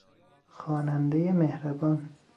خوانندهی مهربان!